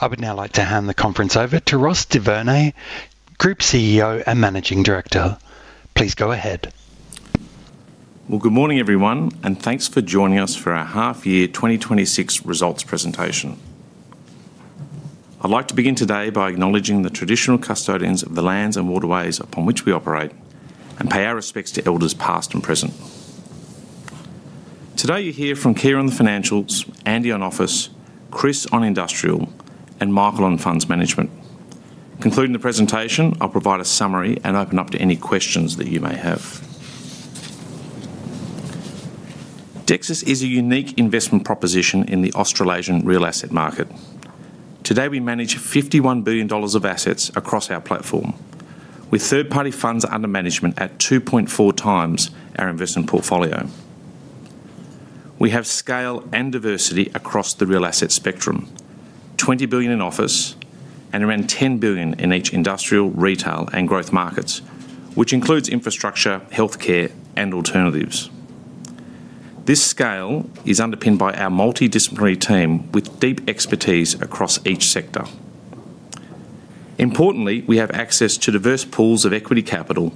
I would now like to hand the conference over to Ross Du Vernet, Group CEO and Managing Director. Please go ahead. Well, good morning, everyone, and thanks for joining us for our half year 2026 results presentation. I'd like to begin today by acknowledging the traditional custodians of the lands and waterways upon which we operate, and pay our respects to elders, past and present. Today, you'll hear from Keir on financials, Andy on office, Chris on industrial, and Michael on funds management. Concluding the presentation, I'll provide a summary and open up to any questions that you may have. Dexus is a unique investment proposition in the Australasian real asset market. Today, we manage 51 billion dollars of assets across our platform, with third-party funds under management at 2.4x our investment portfolio. We have scale and diversity across the real asset spectrum: 20 billion in office and around 10 billion in each industrial, retail, and growth markets, which includes infrastructure, health care, and alternatives. This scale is underpinned by our multidisciplinary team with deep expertise across each sector. Importantly, we have access to diverse pools of equity capital,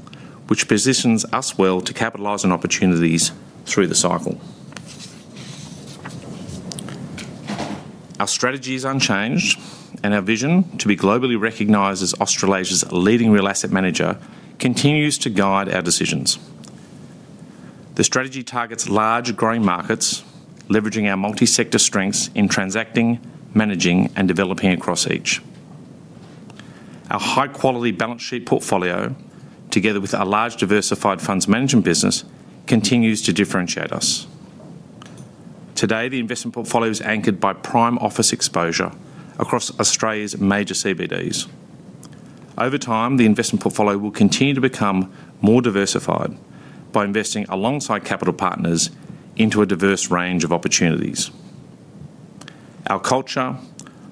which positions us well to capitalize on opportunities through the cycle. Our strategy is unchanged, and our vision, to be globally recognized as Australasia's leading real asset manager, continues to guide our decisions. The strategy targets large, growing markets, leveraging our multi-sector strengths in transacting, managing, and developing across each. Our high-quality balance sheet portfolio, together with our large diversified funds management business, continues to differentiate us. Today, the investment portfolio is anchored by prime office exposure across Australia's major CBDs. Over time, the investment portfolio will continue to become more diversified by investing alongside capital partners into a diverse range of opportunities. Our culture,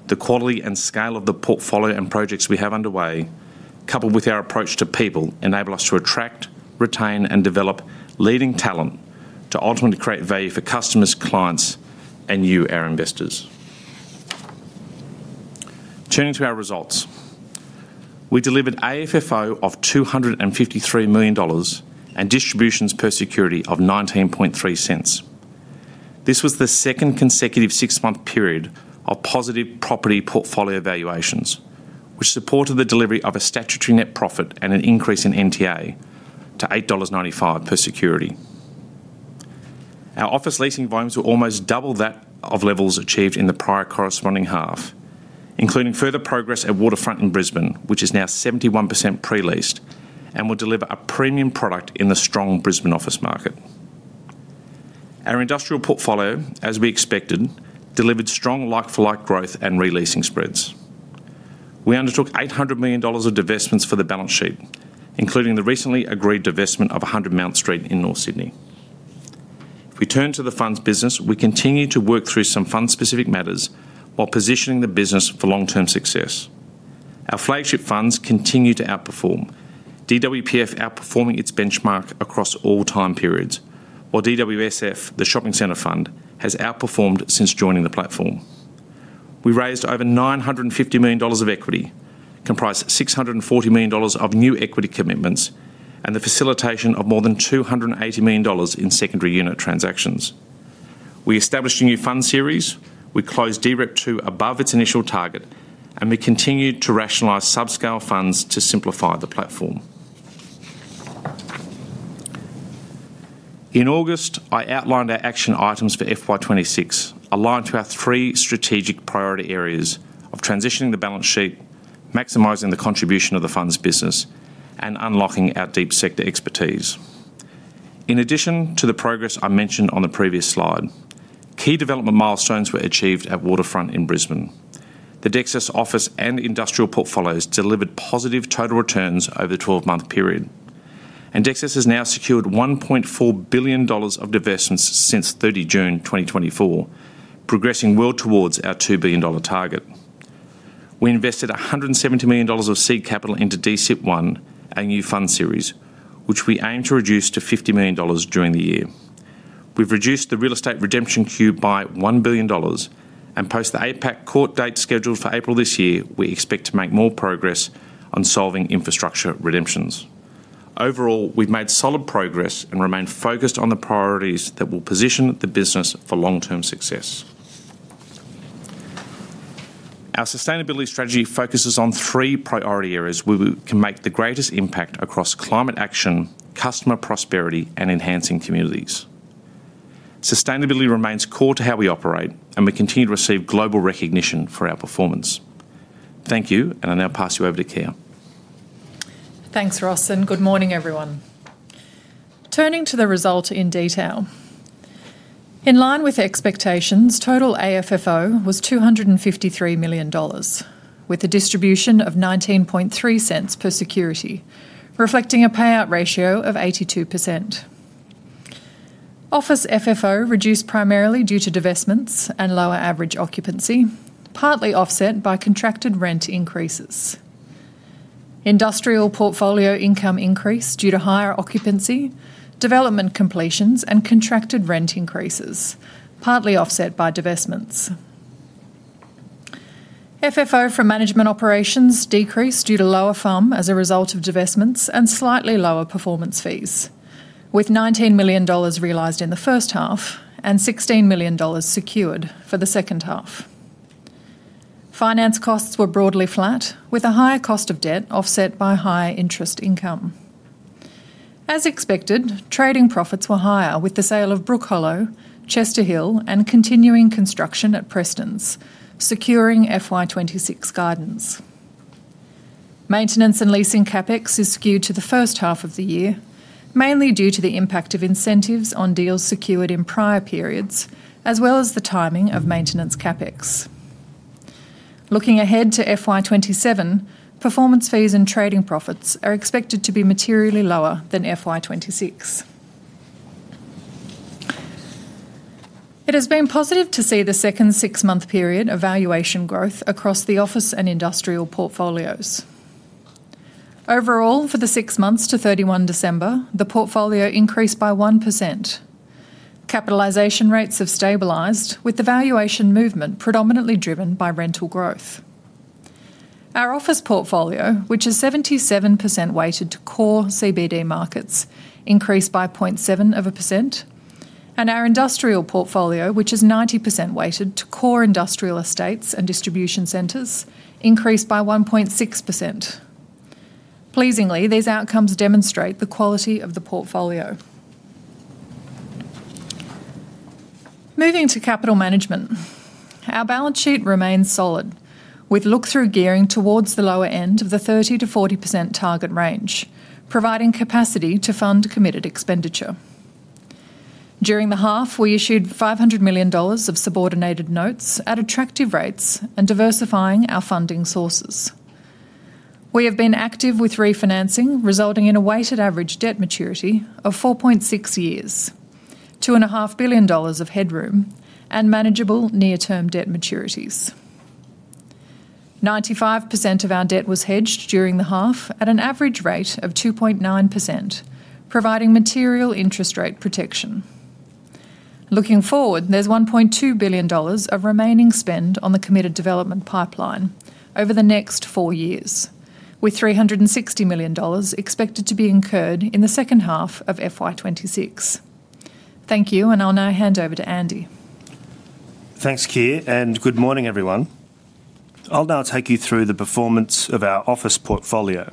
the quality and scale of the portfolio and projects we have underway, coupled with our approach to people, enable us to attract, retain, and develop leading talent to ultimately create value for customers, clients, and you, our investors. Turning to our results. We delivered AFFO of 253 million dollars, and distributions per security of 0.193. This was the second consecutive six-month period of positive property portfolio valuations, which supported the delivery of a statutory net profit and an increase in NTA to 8.95 dollars per security. Our office leasing volumes were almost double that of levels achieved in the prior corresponding half, including further progress at Waterfront in Brisbane, which is now 71% pre-leased and will deliver a premium product in the strong Brisbane office market. Our industrial portfolio, as we expected, delivered strong like-for-like growth and re-leasing spreads. We undertook 800 million dollars of divestments for the balance sheet, including the recently agreed divestment of 100 Mount Street in North Sydney. If we turn to the funds business, we continue to work through some fund-specific matters while positioning the business for long-term success. Our flagship funds continue to outperform, DWPF outperforming its benchmark across all time periods, while DWSF, the shopping center fund, has outperformed since joining the platform. We raised over 950 million dollars of equity, comprised 640 million dollars of new equity commitments, and the facilitation of more than 280 million dollars in secondary unit transactions. We established a new fund series, we closed DREP 2 above its initial target, and we continued to rationalize subscale funds to simplify the platform. In August, I outlined our action items for FY 2026, aligned to our three strategic priority areas of transitioning the balance sheet, maximizing the contribution of the funds business, and unlocking our deep sector expertise. In addition to the progress I mentioned on the previous slide, key development milestones were achieved at Waterfront Brisbane. The Dexus office and industrial portfolios delivered positive total returns over the 12-month period, and Dexus has now secured 1.4 billion dollars of divestments since June 30, 2024, progressing well towards our 2 billion dollar target. We invested 170 million dollars of seed capital into DSIT1, a new fund series, which we aim to reduce to 50 million dollars during the year. We've reduced the real estate redemption queue by 1 billion dollars, and post the APAC court date scheduled for April this year, we expect to make more progress on solving infrastructure redemptions. Overall, we've made solid progress and remain focused on the priorities that will position the business for long-term success. Our sustainability strategy focuses on three priority areas where we can make the greatest impact across climate action, customer prosperity, and enhancing communities. Sustainability remains core to how we operate, and we continue to receive global recognition for our performance. Thank you, and I now pass you over to Keir. Thanks, Ross, and good morning, everyone. Turning to the result in detail. In line with expectations, total AFFO was 253 million dollars, with a distribution of 0.193 per security, reflecting a payout ratio of 82%. Office FFO reduced primarily due to divestments and lower average occupancy, partly offset by contracted rent increases. Industrial portfolio income increased due to higher occupancy, development completions, and contracted rent increases, partly offset by divestments. FFO from management operations decreased due to lower FUM as a result of divestments and slightly lower performance fees, with 19 million dollars realized in the first half and 16 million dollars secured for the second half. Finance costs were broadly flat, with a higher cost of debt offset by higher interest income. As expected, trading profits were higher, with the sale of Brookhollow, Chester Hill, and continuing construction at Prestons, securing FY 2026 guidance. Maintenance and leasing CapEx is skewed to the first half of the year, mainly due to the impact of incentives on deals secured in prior periods, as well as the timing of maintenance CapEx. Looking ahead to FY 2027, performance fees and trading profits are expected to be materially lower than FY 2026. It has been positive to see the second six-month period of valuation growth across the office and industrial portfolios. Overall, for the six months to December 31, the portfolio increased by 1%. Capitalization rates have stabilized, with the valuation movement predominantly driven by rental growth. Our office portfolio, which is 77% weighted to core CBD markets, increased by 0.7%, and our industrial portfolio, which is 90% weighted to core industrial estates and distribution centers, increased by 1.6%. Pleasingly, these outcomes demonstrate the quality of the portfolio. Moving to capital management, our balance sheet remains solid, with look-through gearing towards the lower end of the 30%-40% target range, providing capacity to fund committed expenditure. During the half, we issued 500 million dollars of subordinated notes at attractive rates and diversifying our funding sources. We have been active with refinancing, resulting in a weighted average debt maturity of 4.6 years, 2.5 billion dollars of headroom, and manageable near-term debt maturities. 95% of our debt was hedged during the half at an average rate of 2.9%, providing material interest rate protection. Looking forward, there's 1.2 billion dollars of remaining spend on the committed development pipeline over the next four years, with 360 million dollars expected to be incurred in the second half of FY 2026. Thank you, and I'll now hand over to Andy. Thanks, Keir, and good morning, everyone. I'll now take you through the performance of our office portfolio.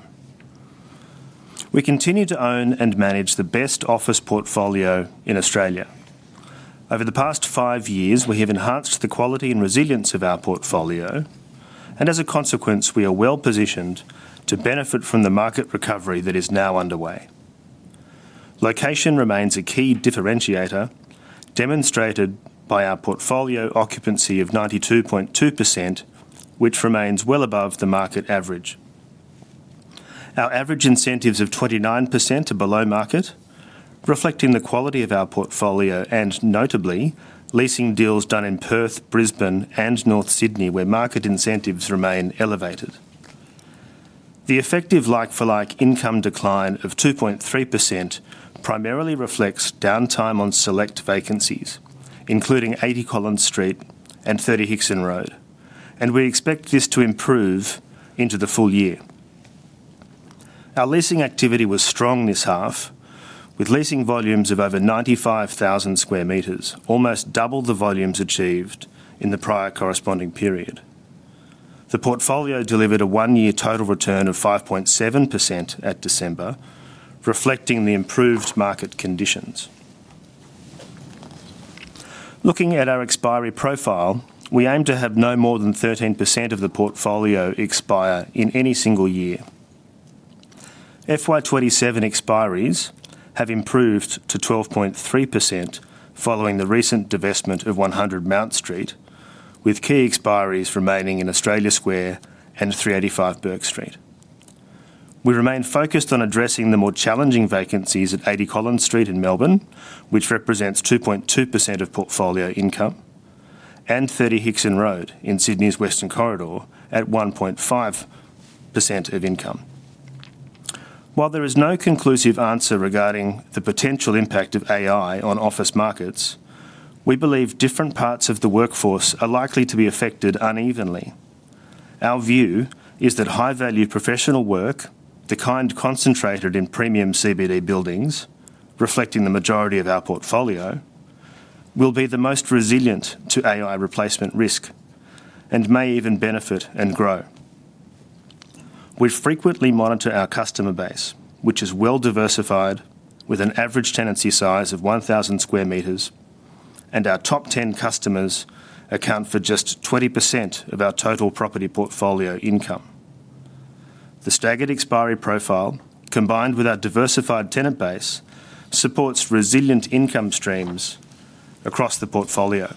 We continue to own and manage the best office portfolio in Australia. Over the past five years, we have enhanced the quality and resilience of our portfolio, and as a consequence, we are well-positioned to benefit from the market recovery that is now underway. Location remains a key differentiator, demonstrated by our portfolio occupancy of 92.2%, which remains well above the market average. Our average incentives of 29% are below market, reflecting the quality of our portfolio and notably, leasing deals done in Perth, Brisbane, and North Sydney, where market incentives remain elevated. The effective like-for-like income decline of 2.3% primarily reflects downtime on select vacancies, including 80 Collins Street and 30 Hickson Road, and we expect this to improve into the full year. Our leasing activity was strong this half, with leasing volumes of over 95,000 square meters, almost double the volumes achieved in the prior corresponding period. The portfolio delivered a one-year total return of 5.7% at December, reflecting the improved market conditions. Looking at our expiry profile, we aim to have no more than 13% of the portfolio expire in any single year. FY 2027 expiries have improved to 12.3% following the recent divestment of 100 Mount Street, with key expiries remaining in Australia Square and 385 Bourke Street. We remain focused on addressing the more challenging vacancies at 80 Collins Street in Melbourne, which represents 2.2% of portfolio income, and 30 Hickson Road in Sydney's Western Corridor at 1.5% of income. While there is no conclusive answer regarding the potential impact of AI on office markets, we believe different parts of the workforce are likely to be affected unevenly. Our view is that high-value professional work, the kind concentrated in premium CBD buildings, reflecting the majority of our portfolio, will be the most resilient to AI replacement risk and may even benefit and grow. We frequently monitor our customer base, which is well-diversified, with an average tenancy size of 1,000 square meters, and our top 10 customers account for just 20% of our total property portfolio income. The staggered expiry profile, combined with our diversified tenant base, supports resilient income streams across the portfolio.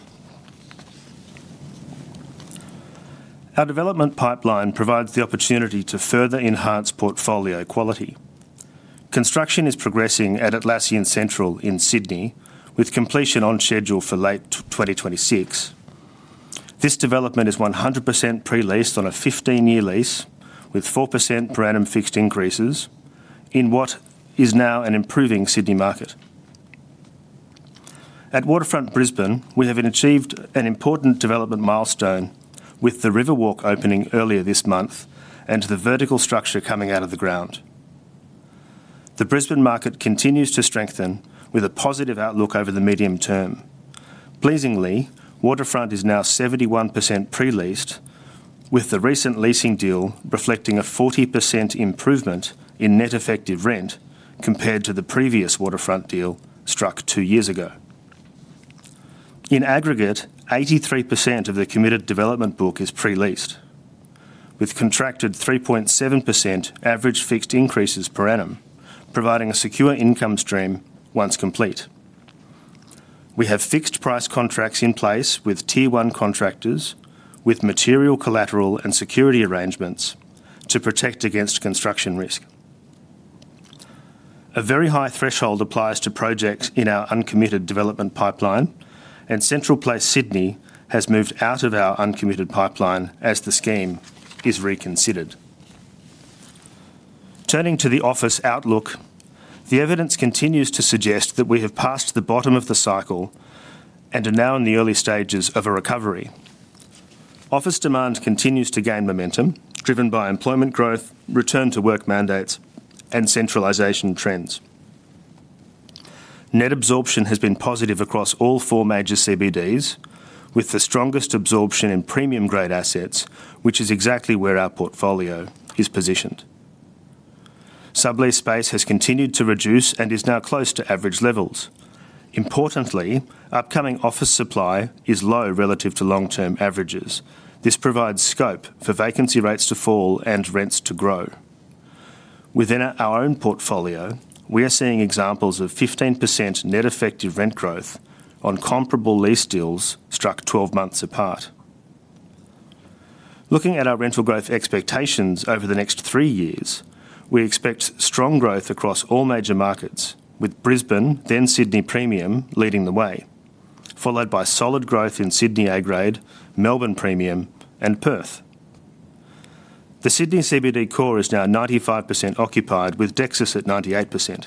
Our development pipeline provides the opportunity to further enhance portfolio quality. Construction is progressing at Atlassian Central in Sydney, with completion on schedule for late 2026. This development is 100% pre-leased on a 15-year lease, with 4% per annum fixed increases in what is now an improving Sydney market. At Waterfront Brisbane, we have achieved an important development milestone with the Riverwalk opening earlier this month and the vertical structure coming out of the ground. The Brisbane market continues to strengthen with a positive outlook over the medium term. Pleasingly, Waterfront is now 71% pre-leased, with the recent leasing deal reflecting a 40% improvement in net effective rent compared to the previous Waterfront deal struck two years ago. In aggregate, 83% of the committed development book is pre-leased, with contracted 3.7% average fixed increases per annum, providing a secure income stream once complete. We have fixed price contracts in place with tier one contractors, with material collateral and security arrangements to protect against construction risk. A very high threshold applies to projects in our uncommitted development pipeline, and Central Place Sydney has moved out of our uncommitted pipeline as the scheme is reconsidered. Turning to the office outlook, the evidence continues to suggest that we have passed the bottom of the cycle and are now in the early stages of a recovery. Office demand continues to gain momentum, driven by employment growth, return to work mandates, and centralization trends. Net absorption has been positive across all four major CBDs, with the strongest absorption in premium grade assets, which is exactly where our portfolio is positioned. Sublease space has continued to reduce and is now close to average levels. Importantly, upcoming office supply is low relative to long-term averages. This provides scope for vacancy rates to fall and rents to grow. Within our own portfolio, we are seeing examples of 15% net effective rent growth on comparable lease deals struck 12 months apart. Looking at our rental growth expectations over the next three years, we expect strong growth across all major markets, with Brisbane, then Sydney Premium leading the way, followed by solid growth in Sydney A Grade, Melbourne Premium and Perth. The Sydney CBD core is now 95% occupied, with Dexus at 98%.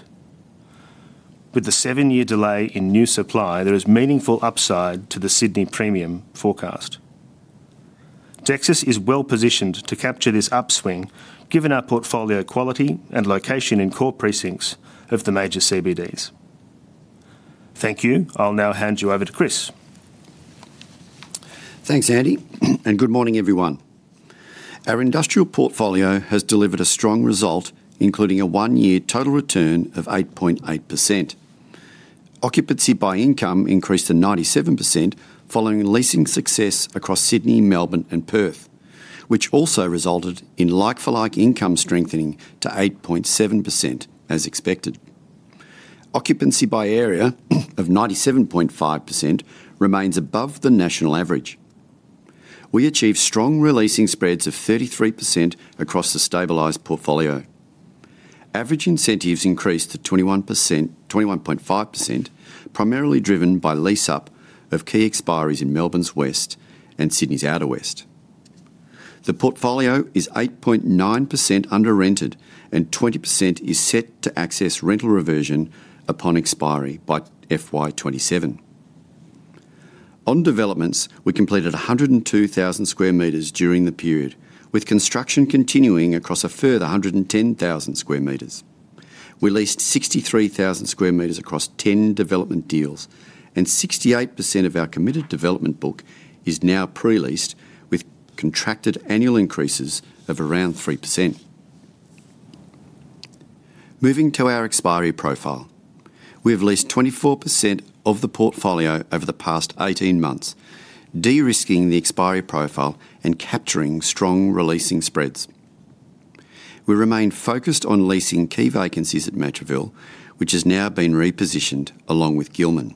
With the seven-year delay in new supply, there is meaningful upside to the Sydney Premium forecast. Dexus is well positioned to capture this upswing, given our portfolio quality and location in core precincts of the major CBDs. Thank you. I'll now hand you over to Chris. Thanks, Andy, and good morning, everyone. Our industrial portfolio has delivered a strong result, including a one-year total return of 8.8%. Occupancy by income increased to 97%, following leasing success across Sydney, Melbourne and Perth, which also resulted in like-for-like income strengthening to 8.7%, as expected. Occupancy by area of 97.5% remains above the national average. We achieved strong re-leasing spreads of 33% across the stabilized portfolio. Average incentives increased to 21.5%, primarily driven by lease-up of key expiries in Melbourne's West and Sydney's Outer West. The portfolio is 8.9% under-rented, and 20% is set to access rental reversion upon expiry by FY 2027. On developments, we completed 102,000 square meters during the period, with construction continuing across a further 110,000 square meters. We leased 63,000 square meters across 10 development deals, and 68% of our committed development book is now pre-leased, with contracted annual increases of around 3%. Moving to our expiry profile, we have leased 24% of the portfolio over the past 18 months, de-risking the expiry profile and capturing strong re-leasing spreads. We remain focused on leasing key vacancies at Matraville, which has now been repositioned along with Gillman,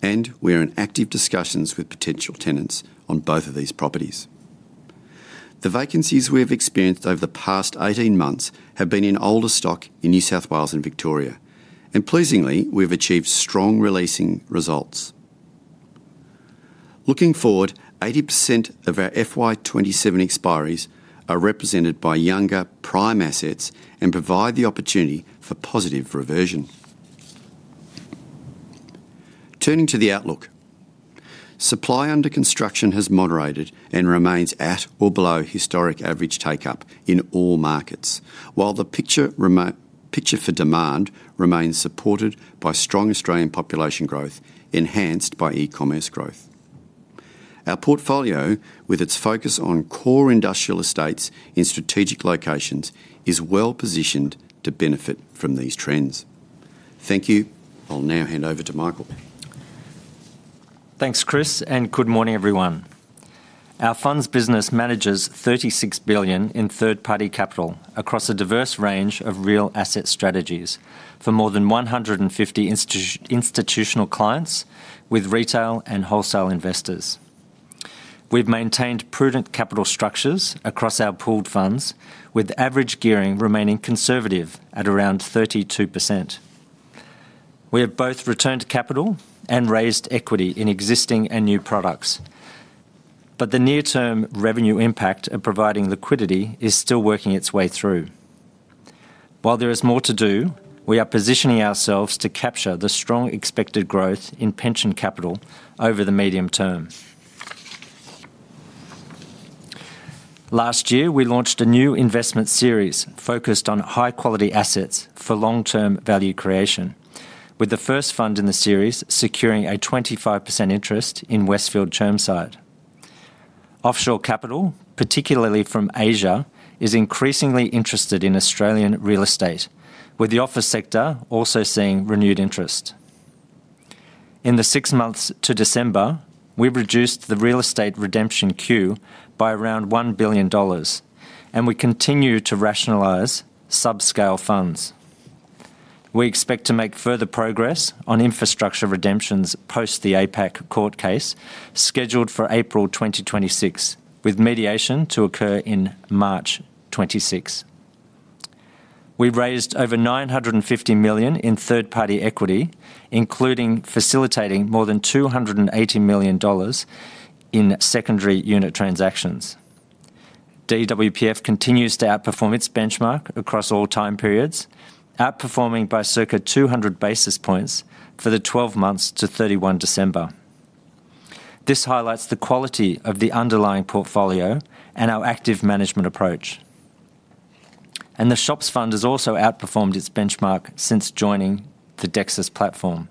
and we are in active discussions with potential tenants on both of these properties. The vacancies we have experienced over the past 18 months have been in older stock in New South Wales and Victoria, and pleasingly, we've achieved strong re-leasing results. Looking forward, 80% of our FY 2027 expiries are represented by younger prime assets and provide the opportunity for positive reversion. Turning to the outlook, supply under construction has moderated and remains at or below historic average take-up in all markets, while the picture for demand remains supported by strong Australian population growth, enhanced by e-commerce growth. Our portfolio, with its focus on core industrial estates in strategic locations, is well positioned to benefit from these trends. Thank you. I'll now hand over to Michael. Thanks, Chris, and good morning, everyone. Our funds business manages 36 billion in third-party capital across a diverse range of real asset strategies for more than 150 institutional clients with retail and wholesale investors. We've maintained prudent capital structures across our pooled funds, with average gearing remaining conservative at around 32%. We have both returned capital and raised equity in existing and new products. But the near-term revenue impact of providing liquidity is still working its way through. While there is more to do, we are positioning ourselves to capture the strong expected growth in pension capital over the medium term. Last year, we launched a new investment series focused on high-quality assets for long-term value creation, with the first fund in the series securing a 25% interest in Westfield Chermside. Offshore capital, particularly from Asia, is increasingly interested in Australian real estate, with the office sector also seeing renewed interest. In the 6 months to December, we've reduced the real estate redemption queue by around 1 billion dollars, and we continue to rationalize subscale funds. We expect to make further progress on infrastructure redemptions post the APAC court case, scheduled for April 2026, with mediation to occur in March 2026. We've raised over 950 million in third-party equity, including facilitating more than 280 million dollars in secondary unit transactions. DWPF continues to outperform its benchmark across all time periods, outperforming by circa 200 basis points for the 12 months to December 31. This highlights the quality of the underlying portfolio and our active management approach. The Shops Fund has also outperformed its benchmark since joining the Dexus platform.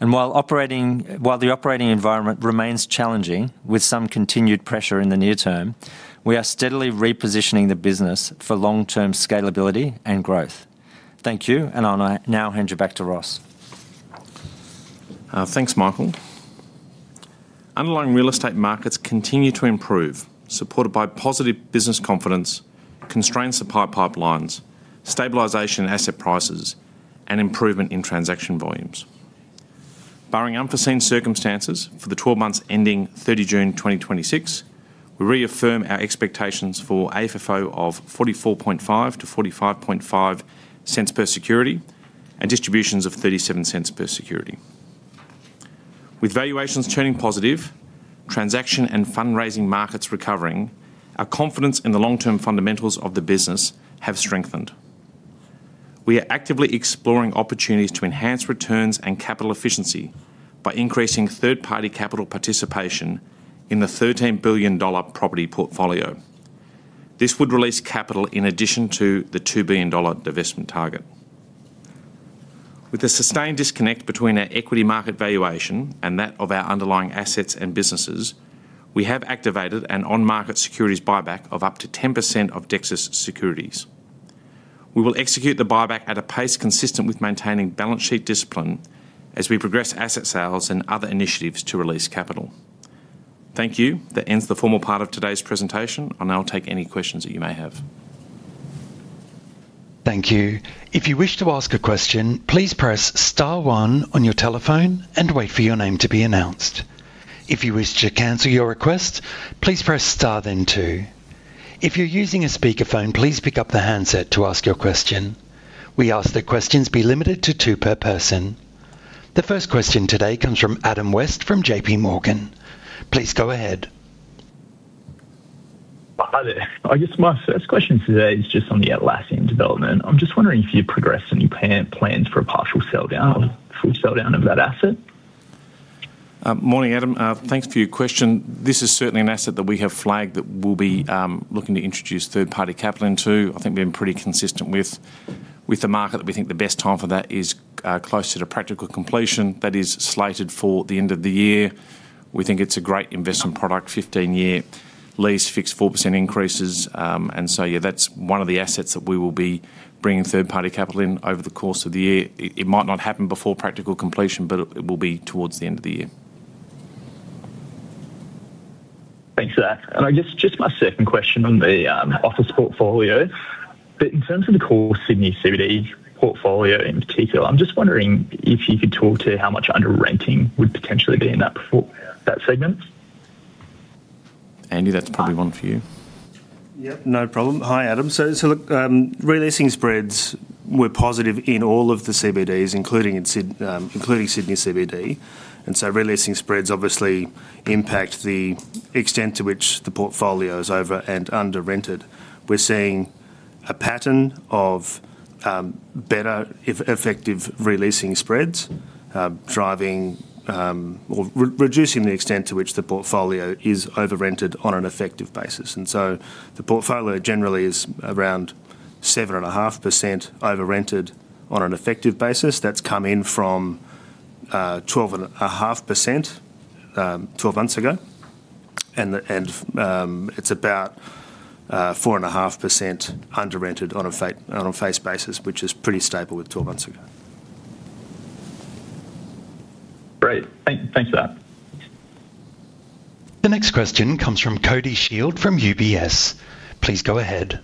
While the operating environment remains challenging, with some continued pressure in the near term, we are steadily repositioning the business for long-term scalability and growth. Thank you, and I'll now hand you back to Ross. Thanks, Michael. Underlying real estate markets continue to improve, supported by positive business confidence, constrained supply pipelines, stabilization in asset prices, and improvement in transaction volumes. Barring unforeseen circumstances, for the twelve months ending June 30, 2026, we reaffirm our expectations for AFFO of 44.5-45.5 cents per security and distributions of 37 cents per security. With valuations turning positive, transaction and fundraising markets recovering, our confidence in the long-term fundamentals of the business have strengthened. We are actively exploring opportunities to enhance returns and capital efficiency by increasing third-party capital participation in the 13 billion dollar property portfolio. This would release capital in addition to the 2 billion dollar divestment target. With the sustained disconnect between our equity market valuation and that of our underlying assets and businesses, we have activated an on-market securities buyback of up to 10% of Dexus securities. We will execute the buyback at a pace consistent with maintaining balance sheet discipline as we progress asset sales and other initiatives to release capital. Thank you. That ends the formal part of today's presentation. I'll now take any questions that you may have. Thank you. If you wish to ask a question, please press star one on your telephone and wait for your name to be announced. If you wish to cancel your request, please press star, then two. If you're using a speakerphone, please pick up the handset to ask your question. We ask that questions be limited to two per person. The first question today comes from Adam West from JPMorgan. Please go ahead. Hi there. I guess my first question today is just on the Atlassian development. I'm just wondering if you've progressed any plans for a partial sell-down, full sell-down of that asset? Morning, Adam. Thanks for your question. This is certainly an asset that we have flagged that we'll be looking to introduce third-party capital into. I think we've been pretty consistent with the market, that we think the best time for that is closer to practical completion. That is slated for the end of the year. We think it's a great investment product, 15-year lease, fixed 4% increases. And so, yeah, that's one of the assets that we will be bringing third-party capital in over the course of the year. It might not happen before practical completion, but it will be towards the end of the year. Thanks for that. I guess just my second question on the office portfolio. But in terms of the core Sydney CBD portfolio in particular, I'm just wondering if you could talk to how much under renting would potentially be in that segment? Andy, that's probably one for you. Yep, no problem. Hi, Adam. So look, reletting spreads were positive in all of the CBDs, including in Sydney CBD, and so reletting spreads obviously impact the extent to which the portfolio is over and under rented. We're seeing a pattern of better effective reletting spreads driving or reducing the extent to which the portfolio is over rented on an effective basis. And so the portfolio generally is around 7.5% over rented on an effective basis. That's come in from 12.5% 12 months ago. And it's about 4.5% under rented on a face basis, which is pretty stable with 12 months ago. Great. Thanks for that. The next question comes from Cody Shield from UBS. Please go ahead.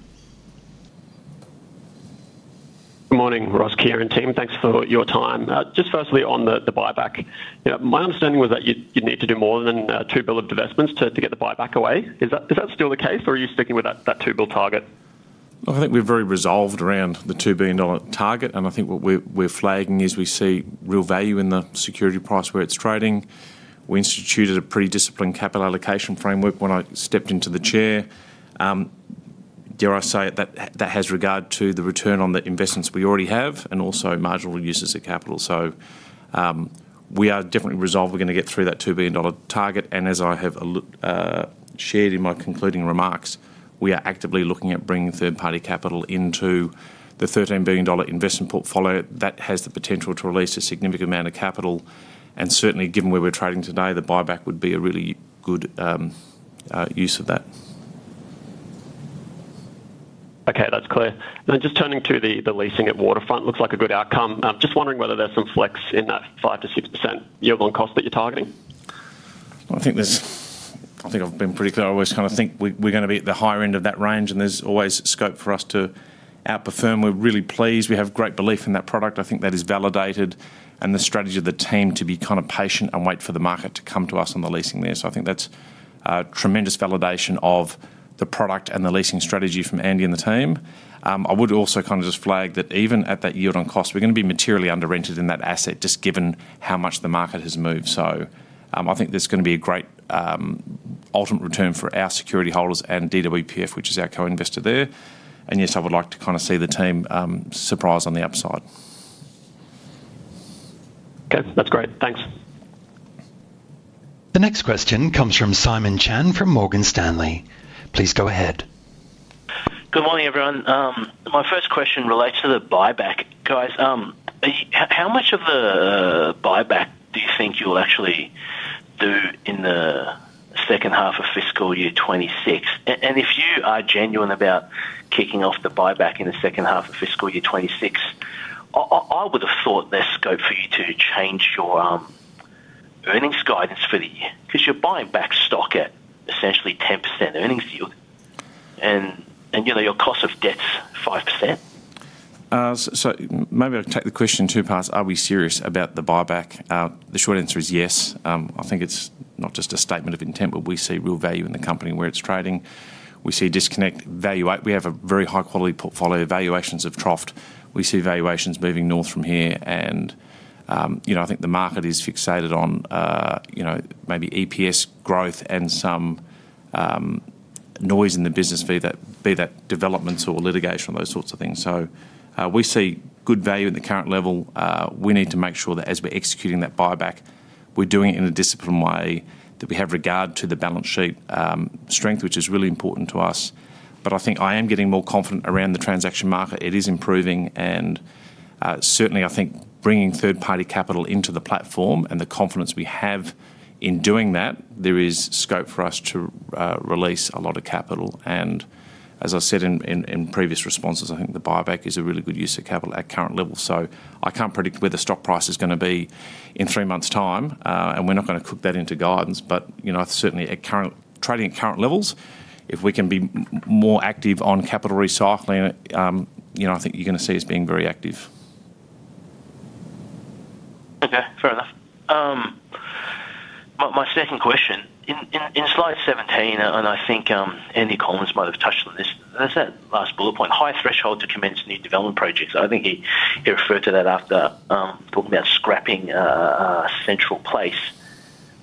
Good morning, Ross, Keir, team. Thanks for your time. Just firstly, on the buyback. You know, my understanding was that you, you'd need to do more than 2 billion of divestments to get the buyback away. Is that still the case, or are you sticking with that 2 billion target? Well, I think we're very resolved around the AUD 2 billion target, and I think what we're flagging is we see real value in the security price where it's trading. We instituted a pretty disciplined capital allocation framework when I stepped into the chair. Dare I say it, that has regard to the return on the investments we already have and also marginal uses of capital. So, we are definitely resolved we're gonna get through that 2 billion dollar target, and as I have a look, shared in my concluding remarks, we are actively looking at bringing third-party capital into the 13 billion dollar investment portfolio. That has the potential to release a significant amount of capital, and certainly, given where we're trading today, the buyback would be a really good use of that. Okay, that's clear. And then just turning to the leasing at Waterfront, looks like a good outcome. Just wondering whether there's some flex in that 5%-6% yield on cost that you're targeting? I think I've been pretty clear. I always kinda think we, we're gonna be at the higher end of that range, and there's always scope for us to outperform. We're really pleased. We have great belief in that product. I think that is validated, and the strategy of the team to be kind of patient and wait for the market to come to us on the leasing there. So I think that's a tremendous validation of the product and the leasing strategy from Andy and the team. I would also kind of just flag that even at that yield on cost, we're gonna be materially under rented in that asset, just given how much the market has moved. So, I think there's gonna be a great, ultimate return for our security holders and DWPF, which is our co-investor there. Yes, I would like to kinda see the team surprise on the upside. Okay, that's great. Thanks. The next question comes from Simon Chan, from Morgan Stanley. Please go ahead. Good morning, everyone. My first question relates to the buyback. Guys, how much of the buyback do you think you'll actually do in the second half of fiscal year 2026? And if you are genuine about kicking off the buyback in the second half of fiscal year 2026, I would have thought there's scope for you to change your earnings guidance for the year, 'cause you're buying back stock at essentially 10% earnings yield, and you know, your cost of debt's 5%. So maybe I'll take the question in two parts. Are we serious about the buyback? The short answer is yes. I think it's not just a statement of intent, but we see real value in the company where it's trading. We see a disconnect. We have a very high-quality portfolio. Valuations have troughed. We see valuations moving north from here, and, you know, I think the market is fixated on, you know, maybe EPS growth and some noise in the business, be that developments or litigation, those sorts of things. So, we see good value in the current level. We need to make sure that as we're executing that buyback, we're doing it in a disciplined way, that we have regard to the balance sheet strength, which is really important to us. But I think I am getting more confident around the transaction market. It is improving, and certainly I think bringing third-party capital into the platform and the confidence we have in doing that, there is scope for us to release a lot of capital. And as I said in previous responses, I think the buyback is a really good use of capital at current levels. So I can't predict where the stock price is gonna be in three months' time, and we're not gonna cook that into guidance, but you know, certainly at current trading at current levels, if we can be more active on capital recycling, you know, I think you're gonna see us being very active. Okay, fair enough. My second question. In slide 17, and I think Andy Collins might have touched on this, that's that last bullet point, high threshold to commence new development projects. I think he referred to that after talking about scrapping Central Place.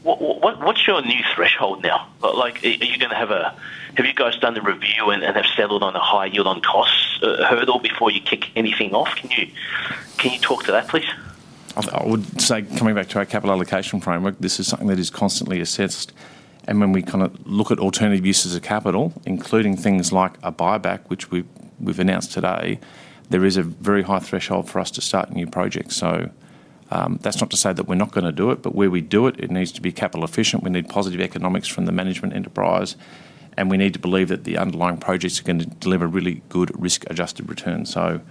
What's your new threshold now? Like, are you gonna have you guys done the review and have settled on a high yield on costs hurdle before you kick anything off? Can you talk to that, please? I would say, coming back to our capital allocation framework, this is something that is constantly assessed, and when we kind of look at alternative uses of capital, including things like a buyback, which we've announced today, there is a very high threshold for us to start a new project. So, that's not to say that we're not gonna do it, but where we do it, it needs to be capital efficient, we need positive economics from the management enterprise, and we need to believe that the underlying projects are gonna deliver really good risk-adjusted returns. So,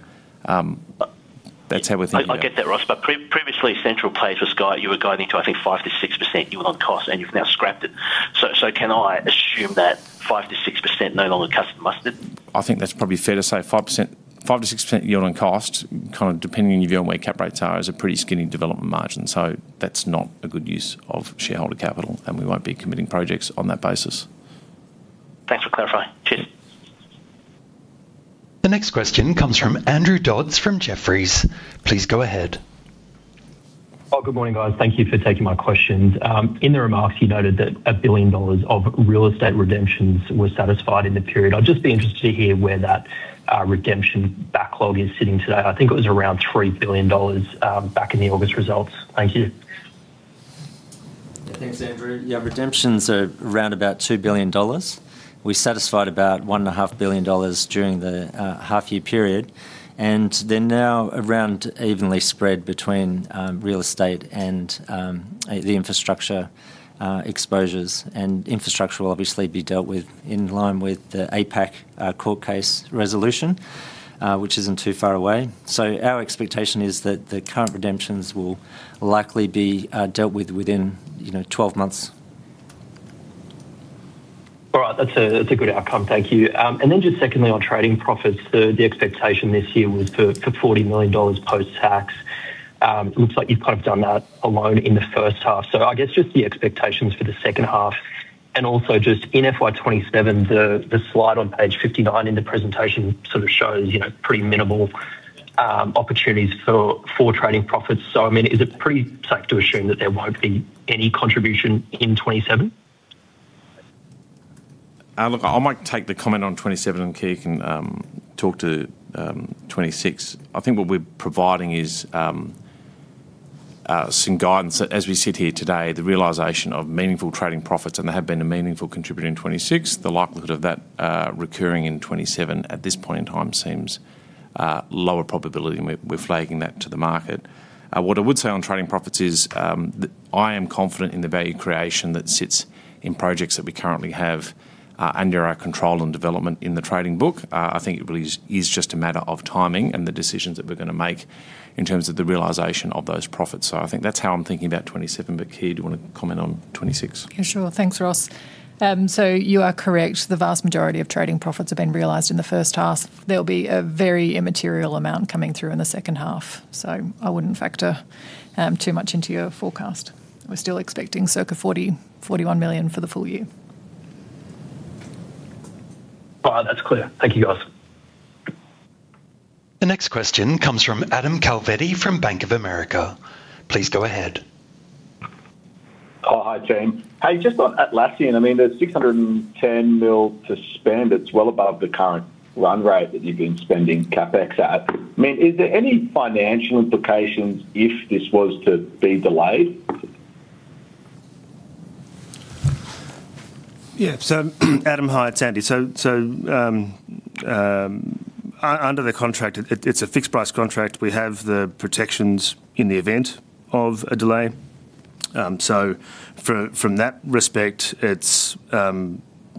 that's how we're thinking about it. I get that, Ross, but previously, Central Place was guiding to, I think, 5%-6% yield on cost, and you've now scrapped it. So can I assume that 5%-6% no longer cuts the mustard? I think that's probably fair to say. 5%, 5%-6% yield on cost, kind of depending on your view on where cap rates are, is a pretty skinny development margin. So that's not a good use of shareholder capital, and we won't be committing projects on that basis. Thanks for clarifying. Cheers. The next question comes from Andrew Dodds from Jefferies. Please go ahead. Oh, good morning, guys. Thank you for taking my questions. In the remarks, you noted that 1 billion dollars of real estate redemptions were satisfied in the period. I'd just be interested to hear where that, redemption backlog is sitting today. I think it was around 3 billion dollars, back in the August results. Thank you. Thanks, Andrew. Yeah, redemptions are around about 2 billion dollars. We satisfied about 1.5 billion dollars during the half-year period, and they're now around evenly spread between real estate and the infrastructure exposures. Infrastructure will obviously be dealt with in line with the APAC court case resolution, which isn't too far away. Our expectation is that the current redemptions will likely be dealt with within, you know, 12 months. All right, that's a good outcome. Thank you. And then just secondly, on trading profits, the expectation this year was for AUD 40 million post-tax. It looks like you've kind of done that alone in the first half. So I guess just the expectations for the second half, and also just in FY 2027, the slide on page 59 in the presentation sort of shows, you know, pretty minimal opportunities for trading profits. So, I mean, is it pretty safe to assume that there won't be any contribution in 2027? Look, I might take the comment on 2027, and Kate can talk to 2026. I think what we're providing is some guidance. As we sit here today, the realization of meaningful trading profits, and they have been a meaningful contributor in 2026, the likelihood of that recurring in 2027 at this point in time seems lower probability, and we're flagging that to the market. What I would say on trading profits is I am confident in the value creation that sits in projects that we currently have under our control and development in the trading book. I think it really is just a matter of timing and the decisions that we're gonna make in terms of the realization of those profits. So I think that's how I'm thinking about 2027, but, Keir, do you want to comment on 2026? Yeah, sure. Thanks, Ross. So you are correct. The vast majority of trading profits have been realized in the first half. There'll be a very immaterial amount coming through in the second half, so I wouldn't factor too much into your forecast. We're still expecting circa 40 million-41 million for the full year. That's clear. Thank you, guys. The next question comes from Adam Calvedi from Bank of America. Please go ahead. Hi, team. Hey, just on Atlassian, I mean, there's 610 million to spend. It's well above the current run rate that you've been spending CapEx at. I mean, is there any financial implications if this was to be delayed? Yeah, so, Adam, hi, it's Andy. So under the contract, it's a fixed price contract. We have the protections in the event of a delay. So from that respect, it's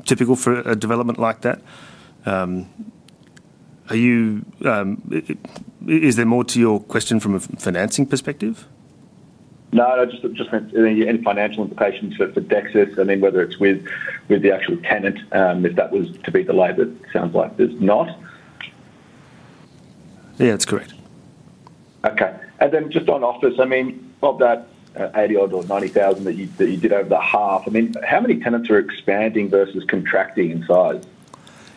typical for a development like that. Are you, is there more to your question from a financing perspective? No, just any financial implications for Dexus, I mean, whether it's with the actual tenant, if that was to be delayed, but it sounds like there's not. Yeah, that's correct. Okay. And then just on office, I mean, of that, 80-odd or 90,000 that you, that you did over the half, I mean, how many tenants are expanding versus contracting in size?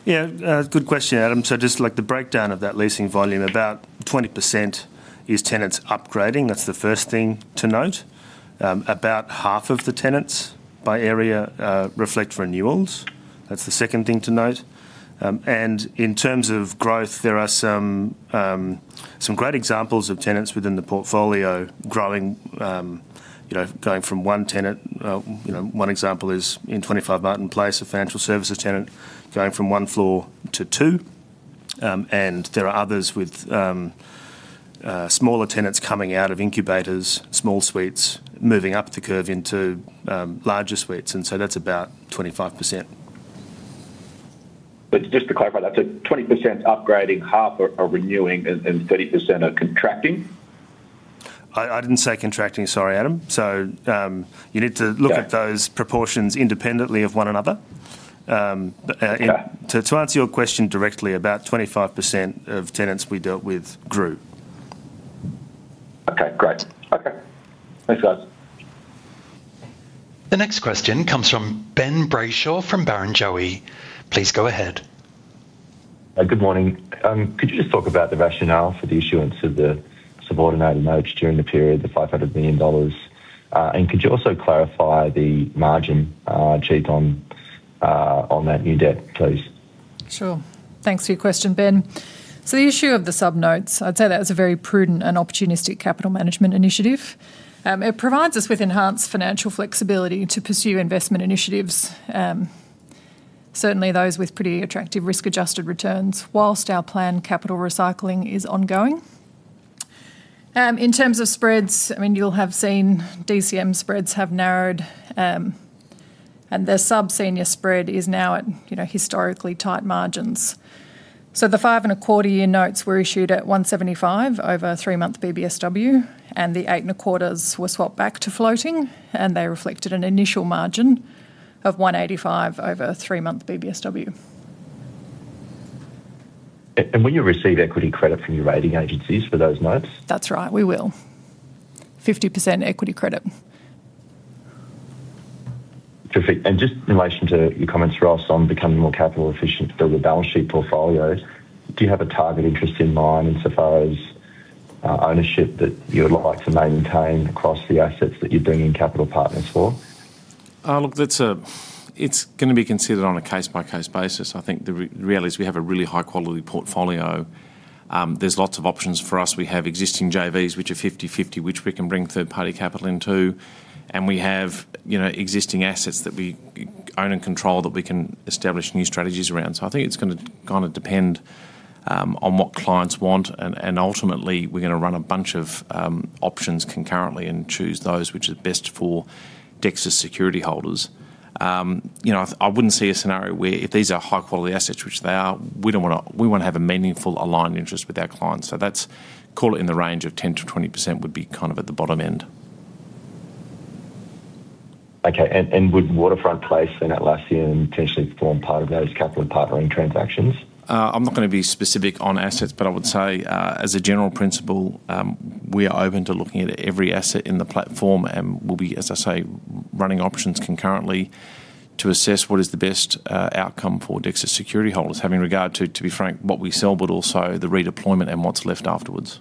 Yeah, good question, Adam. So just like the breakdown of that leasing volume, about 20% is tenants upgrading. That's the first thing to note. About half of the tenants by area reflect renewals. That's the second thing to note. And in terms of growth, there are some great examples of tenants within the portfolio growing, you know, going from one tenant, you know, one example is in 25 Martin Place, a financial services tenant going from one floor to two. And there are others with smaller tenants coming out of incubators, small suites, moving up the curve into larger suites, and so that's about 25%. But just to clarify that, so 20% is upgrading, 50% are renewing, and 30% are contracting? I didn't say contracting, sorry, Adam. So, you need to look at those proportions independently of one another. Yeah. Okay. To answer your question directly, about 25% of tenants we dealt with grew. Okay, great. Okay. Thanks, guys. The next question comes from Ben Brayshaw, from Barrenjoey. Please go ahead. Good morning. Could you just talk about the rationale for the issuance of the subordinated notes during the period, the 500 million dollars? And could you also clarify the margin achieved on that new debt, please? Sure. Thanks for your question, Ben. So the issue of the sub notes, I'd say that is a very prudent and opportunistic capital management initiative. It provides us with enhanced financial flexibility to pursue investment initiatives, certainly those with pretty attractive risk-adjusted returns, whilst our planned capital recycling is ongoing. In terms of spreads, I mean, you'll have seen DCM spreads have narrowed, and their sub senior spread is now at, you know, historically tight margins. So the 5.25-year notes were issued at 175 over a three-month BBSW, and the 8.25s were swapped back to floating, and they reflected an initial margin of 185 over a three-month BBSW. Will you receive equity credit from your rating agencies for those notes? That's right, we will. 50% equity credit. Terrific. And just in relation to your comments, Ross, on becoming more capital efficient to build a balance sheet portfolio, do you have a target interest in mind in so far as ownership that you would like to maintain across the assets that you're bringing in capital partners for? Look, it's gonna be considered on a case-by-case basis. I think the reality is we have a really high quality portfolio. There's lots of options for us. We have existing JVs, which are 50/50, which we can bring third-party capital into, and we have existing assets that we own and control, that we can establish new strategies around. So I think it's gonna kind of depend on what clients want, and ultimately, we're gonna run a bunch of options concurrently and choose those which are best for Dexus security holders. I wouldn't see a scenario where if these are high quality assets, which they are, we want to have a meaningful aligned interest with our clients. So that's, call it in the range of 10%-20% would be kind of at the bottom end. Okay, and would Waterfront Brisbane and Atlassian potentially form part of those capital partnering transactions? I'm not gonna be specific on assets, but I would say, as a general principle, we are open to looking at every asset in the platform, and we'll be, as I say, running options concurrently to assess what is the best outcome for Dexus security holders, having regard to, to be frank, what we sell, but also the redeployment and what's left afterwards.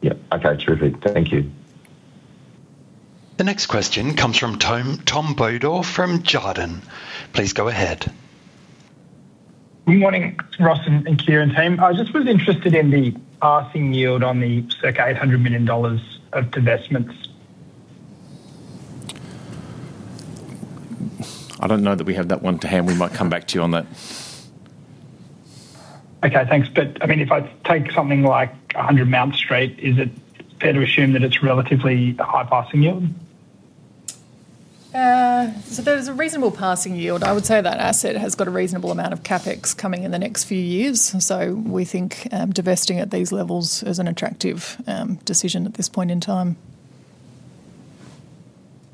Yeah. Okay, terrific. Thank you. The next question comes from Tom, Tom Bodor from Jarden. Please go ahead. Good morning, Ross and Keir team. I just was interested in the passing yield on the circa 800 million dollars of divestments. I don't know that we have that one to hand. We might come back to you on that. Okay, thanks. But, I mean, if I take something like 100 Mount Street, is it fair to assume that it's relatively a high passing yield? There's a reasonable passing yield. I would say that asset has got a reasonable amount of CapEx coming in the next few years, so we think, divesting at these levels is an attractive, decision at this point in time.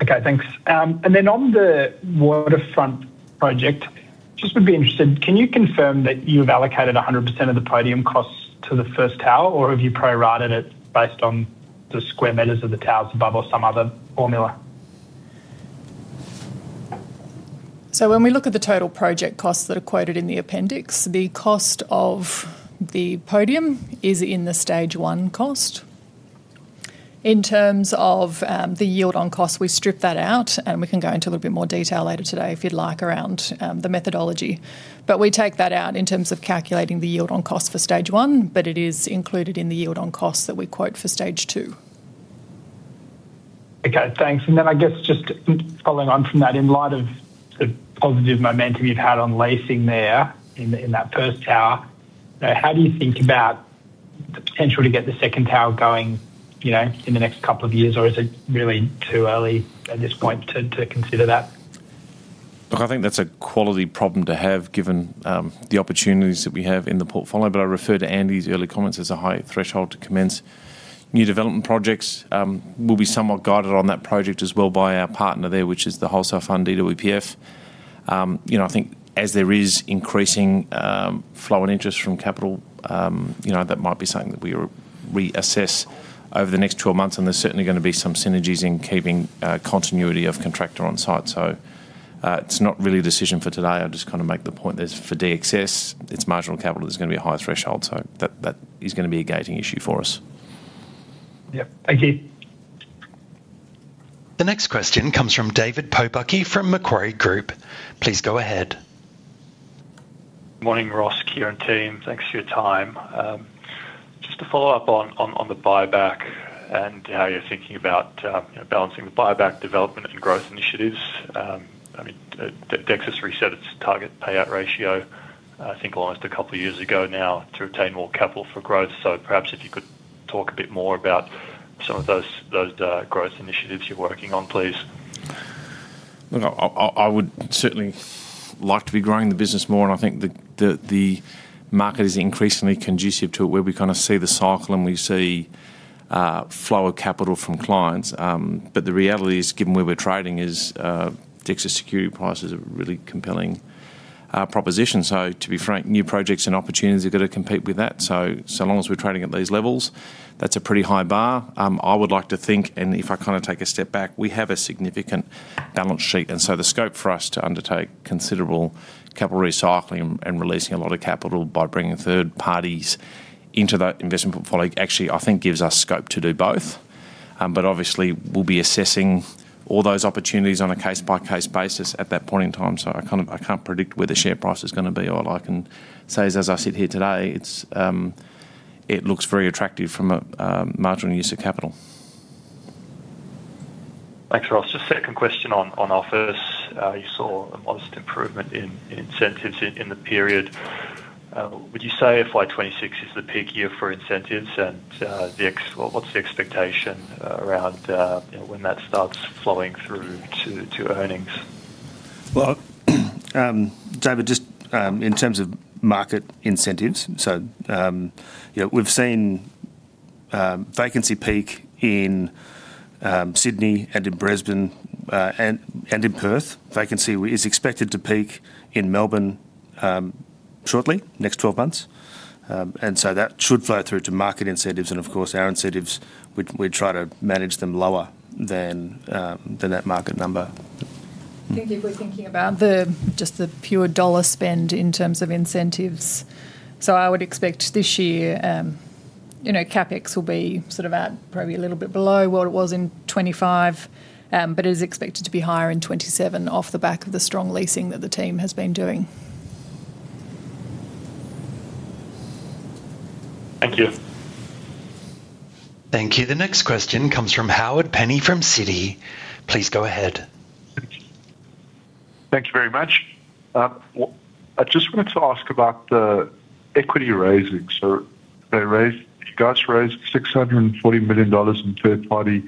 Okay, thanks. And then on the Waterfront project, just would be interested, can you confirm that you've allocated 100% of the podium costs to the first tower, or have you pro-rated it based on the square meters of the towers above, or some other formula? So when we look at the total project costs that are quoted in the appendix, the cost of the podium is in the stage one cost. In terms of, the yield on cost, we strip that out, and we can go into a little bit more detail later today, if you'd like, around, the methodology. But we take that out in terms of calculating the yield on cost for stage one, but it is included in the yield on cost that we quote for stage two. Okay, thanks. And then I guess just following on from that, in light of the positive momentum you've had on leasing there in that first tower, how do you think about the potential to get the second tower going, you know, in the next couple of years? Or is it really too early at this point to consider that? Look, I think that's a quality problem to have, given the opportunities that we have in the portfolio. But I refer to Andy's early comments. There's a high threshold to commence new development projects. We'll be somewhat guided on that project as well by our partner there, which is the Wholesale Fund, DWPF. You know, I think as there is increasing flow and interest from capital, you know, that might be something that we re-assess over the next 12 months, and there's certainly gonna be some synergies in keeping continuity of contractor on site. So, it's not really a decision for today. I just kind of make the point that for Dexus, its marginal capital is gonna be a high threshold, so that that is gonna be a gating issue for us. Yep. Thank you. The next question comes from David Pobucky from Macquarie Group. Please go ahead. Morning, Ross, Keir, team. Thanks for your time. Just to follow up on the buyback and how you're thinking about, you know, balancing the buyback development and growth initiatives. I mean, Dexus reset its target payout ratio, I think almost a couple of years ago now, to retain more capital for growth. So perhaps if you could talk a bit more about some of those growth initiatives you're working on, please. Look, I would certainly like to be growing the business more, and I think the market is increasingly conducive to it, where we kind of see the cycle, and we see flow of capital from clients. But the reality is, given where we're trading, Dexus security prices are a really compelling proposition. So to be frank, new projects and opportunities have got to compete with that. So long as we're trading at these levels, that's a pretty high bar. I would like to think, and if I kind of take a step back, we have a significant balance sheet, and so the scope for us to undertake considerable capital recycling and releasing a lot of capital by bringing third parties into that investment portfolio, actually, I think gives us scope to do both. But obviously, we'll be assessing all those opportunities on a case-by-case basis at that point in time. So I kind of, I can't predict where the share price is gonna be. All I can say is, as I sit here today, it looks very attractive from a marginal use of capital. Thanks, Ross. Just second question on office. You saw a modest improvement in incentives in the period. Would you say FY 2026 is the peak year for incentives? And, the ex- what's the expectation around, you know, when that starts flowing through to earnings? Well, David, just in terms of market incentives, so you know, we've seen vacancy peak in Sydney and in Brisbane, and in Perth. Vacancy is expected to peak in Melbourne shortly, next 12 months. And so that should flow through to market incentives, and of course, our incentives, we try to manage them lower than that market number. I think if we're thinking about just the pure dollar spend in terms of incentives, so I would expect this year, you know, CapEx will be sort of at probably a little bit below what it was in 2025, but it is expected to be higher in 2027 off the back of the strong leasing that the team has been doing. Thank you. Thank you. The next question comes from Howard Penny from Citi. Please go ahead. Thank you very much. I just wanted to ask about the equity raising. So they raised, you guys raised 640 million dollars in third-party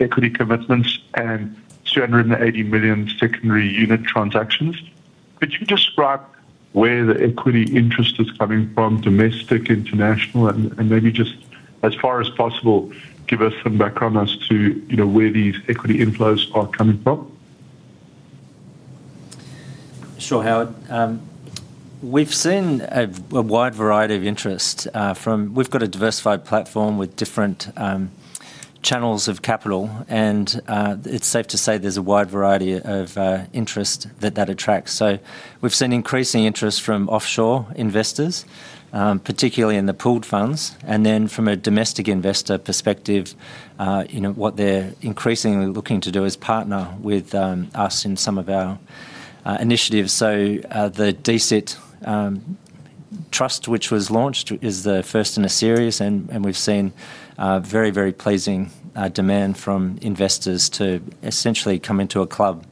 equity commitments and 280 million secondary unit transactions. Could you describe where the equity interest is coming from, domestic, international, and maybe just as far as possible, give us some background as to, you know, where these equity inflows are coming from? Sure, Howard. We've seen a wide variety of interest from—we've got a diversified platform with different channels of capital, and it's safe to say there's a wide variety of interest that attracts. So we've seen increasing interest from offshore investors, particularly in the pooled funds. And then from a domestic investor perspective, you know, what they're increasingly looking to do is partner with us in some of our initiatives. So the DSIT trust, which was launched, is the first in a series, and we've seen very pleasing demand from investors to essentially come into a club.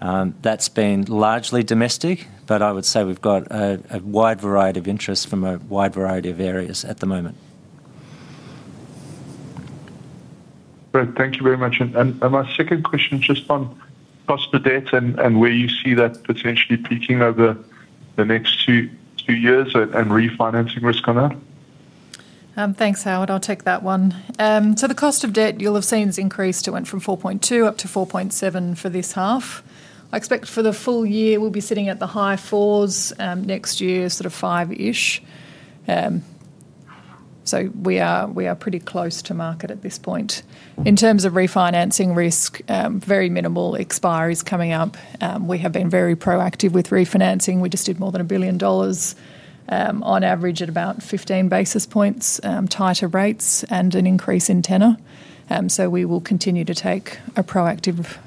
That's been largely domestic, but I would say we've got a wide variety of interests from a wide variety of areas at the moment. Great. Thank you very much. My second question, just on cost of debt and where you see that potentially peaking over the next two years, and refinancing risk on that. Thanks, Howard. I'll take that one. So the cost of debt, you'll have seen, has increased. It went from 4.2 up to 4.7 for this half. I expect for the full year, we'll be sitting at the high 4s, next year, sort of 5-ish. So we are pretty close to market at this point. In terms of refinancing risk, very minimal expiries coming up. We have been very proactive with refinancing. We just did more than 1 billion dollars, on average at about 15 basis points tighter rates and an increase in tenor. So we will continue to take a proactive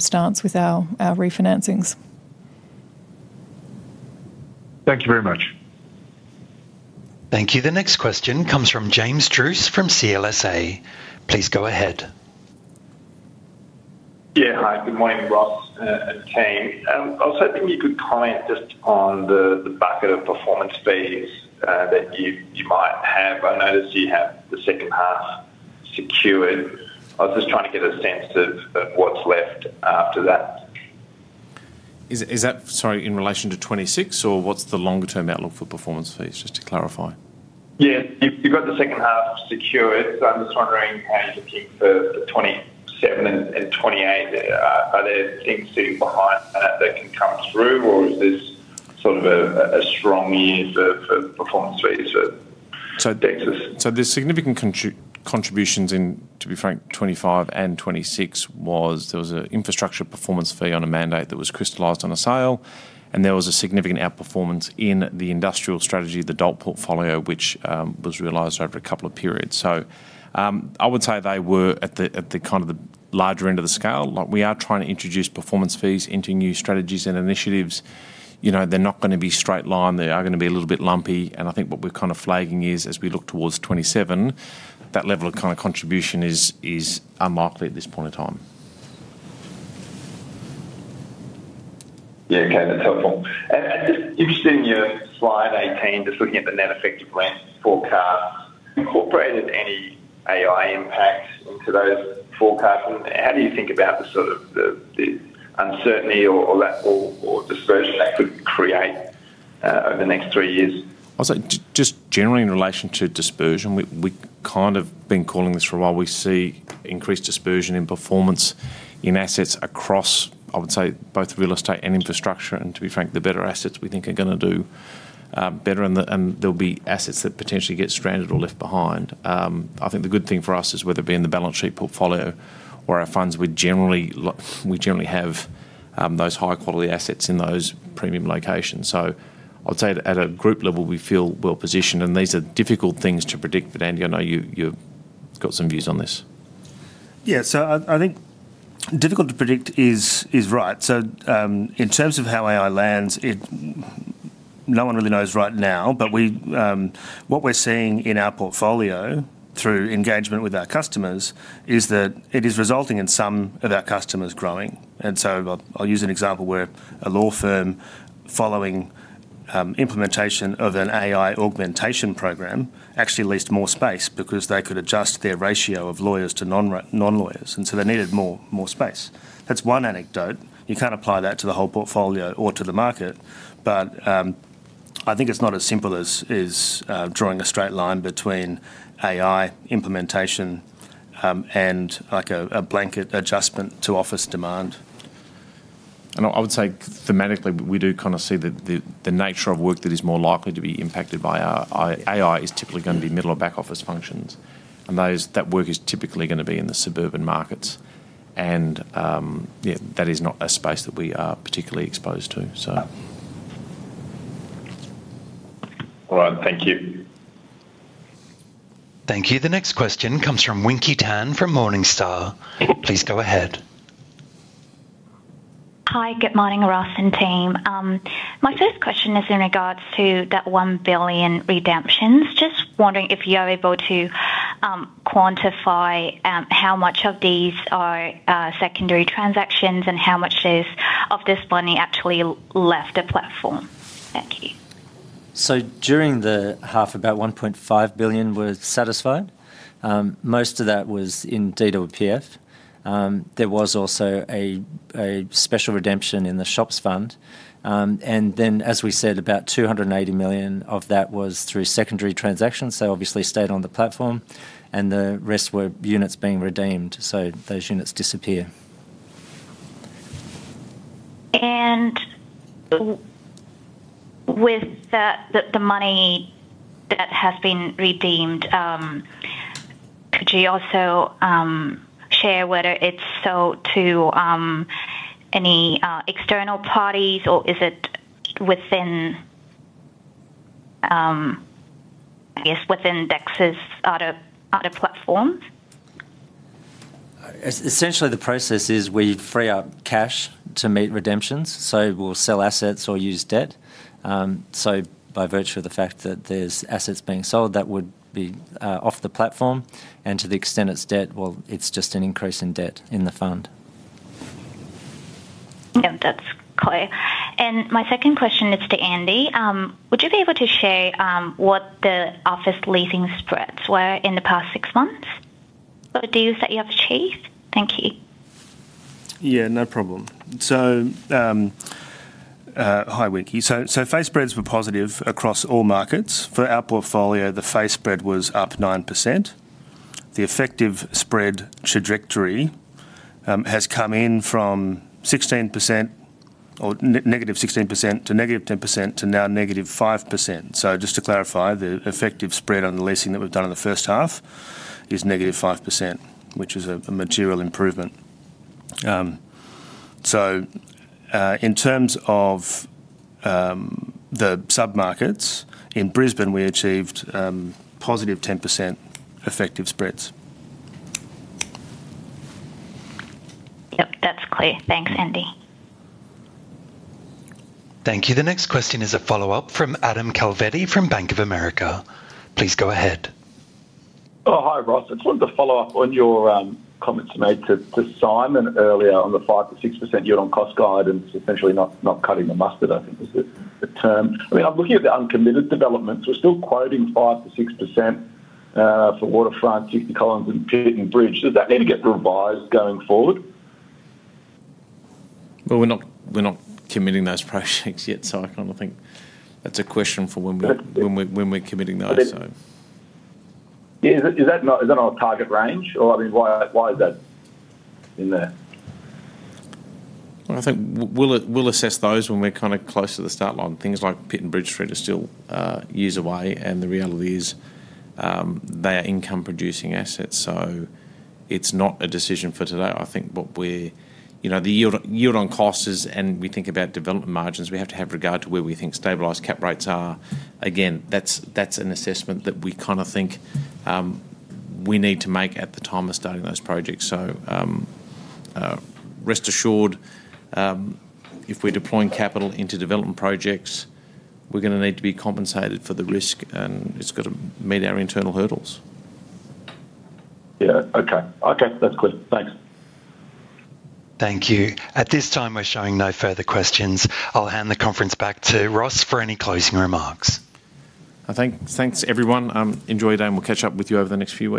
stance with our refinancings. Thank you very much. Thank you. The next question comes from James Druce from CLSA. Please go ahead. Yeah. Hi, good morning, Ross, and team. I was hoping you could comment just on the, the bucket of performance fees, that you, you might have. I noticed you have the second half secured. I was just trying to get a sense of, of what's left after that. Is that, sorry, in relation to 2026, or what's the longer term outlook for performance fees, just to clarify? Yeah. You've, you've got the second half secured, so I'm just wondering how you're looking for the 2027 and 2028. Are there things sitting behind that, that can come through, or is this sort of a, a strong year for, for performance fees at Dexus? So the significant contributions in, to be frank, 2025 and 2026 was there was a infrastructure performance fee on a mandate that was crystallized on a sale, and there was a significant outperformance in the industrial strategy, the DALT portfolio, which was realized over a couple of periods. So, I would say they were at the kind of larger end of the scale. Like, we are trying to introduce performance fees into new strategies and initiatives. You know, they're not gonna be straight line. They are gonna be a little bit lumpy, and I think what we're kind of flagging is, as we look towards 2027, that level of kind of contribution is unlikely at this point in time. Yeah, okay, that's helpful. And just interested in your slide 18, just looking at the net effective rent forecast, incorporated any AI impact into those forecasts? And how do you think about the sort of uncertainty or that dispersion that could create over the next three years? I'll say just generally in relation to dispersion, we've kind of been calling this for a while. We see increased dispersion in performance in assets across, I would say, both real estate and infrastructure, and to be frank, the better assets we think are gonna do better, and there'll be assets that potentially get stranded or left behind. I think the good thing for us is whether it be in the balance sheet portfolio or our funds, we generally have those high quality assets in those premium locations. So I'd say at a group level, we feel well positioned, and these are difficult things to predict, but Andy, I know you've got some views on this. Yeah, so I think difficult to predict is right. So, in terms of how AI lands, no one really knows right now, but we, what we're seeing in our portfolio, through engagement with our customers, is that it is resulting in some of our customers growing. And so I'll use an example where a law firm, following implementation of an AI augmentation program, actually leased more space because they could adjust their ratio of lawyers to non-lawyers, and so they needed more space. That's one anecdote. You can't apply that to the whole portfolio or to the market, but I think it's not as simple as drawing a straight line between AI implementation and, like, a blanket adjustment to office demand. And I would say thematically, we do kind of see the nature of work that is more likely to be impacted by AI is typically gonna be middle or back office functions, and that work is typically gonna be in the suburban markets. And, yeah, that is not a space that we are particularly exposed to, so. All right. Thank you. Thank you. The next question comes from Winky Tan from Morningstar. Please go ahead. Hi, good morning, Ross and team. My first question is in regards to that 1 billion redemptions. Just wondering if you are able to quantify how much of these are secondary transactions, and how much of this money actually left the platform? Thank you. So during the half, about 1.5 billion were satisfied. Most of that was in DWPF. There was also a special redemption in the Shops Fund. And then, as we said, about 280 million of that was through secondary transactions, so obviously stayed on the platform, and the rest were units being redeemed, so those units disappear. And with the money that has been redeemed, could you also share whether it's sold to any external parties, or is it within, I guess, within Dexus' other platforms? Essentially, the process is we free up cash to meet redemptions, so we'll sell assets or use debt. By virtue of the fact that there's assets being sold, that would be off the platform, and to the extent it's debt, well, it's just an increase in debt in the fund. Yeah, that's clear. And my second question is to Andy. Would you be able to share what the office leasing spreads were in the past six months, or the deals that you have achieved? Thank you. Yeah, no problem. So, hi, Winky. So, face spreads were positive across all markets. For our portfolio, the face spread was up 9%. The effective spread trajectory has come in from 16% or negative 16% to -10% to now -5%. So just to clarify, the effective spread on the leasing that we've done in the first half is -5%, which is a material improvement. So, in terms of the submarkets, in Brisbane, we achieved positive 10% effective spreads. Yep, that's clear. Thanks, Andy. Thank you. The next question is a follow-up from Adam Calvetti from Bank of America. Please go ahead. Oh, hi, Ross. I just wanted to follow up on your comments made to Simon earlier on the 5%-6% yield on cost guidance, essentially not cutting the mustard, I think was the term. I mean, I'm looking at the uncommitted developments. We're still quoting 5%-6% for Waterfront, 60 Collins, and Pitt and Bridge. Does that need to get revised going forward? Well, we're not, we're not committing those projects yet, so I kind of think that's a question for when we're when we're committing those, so. Yeah, is that, is that not a target range? Or, I mean, why, why is that in there? I think we'll assess those when we're kind of close to the start line. Things like Pitt and Bridge Street are still years away, and the reality is, they are income-producing assets, so it's not a decision for today. I think what we're you know, the yield on cost is, and we think about development margins, we have to have regard to where we think stabilized cap rates are. Again, that's an assessment that we kind of think we need to make at the time of starting those projects. So, rest assured, if we're deploying capital into development projects, we're gonna need to be compensated for the risk, and it's got to meet our internal hurdles. Yeah, okay. Okay, that's clear. Thanks. Thank you. At this time, we're showing no further questions. I'll hand the conference back to Ross for any closing remarks. Well, thanks, everyone. Enjoy your day, and we'll catch up with you over the next few weeks.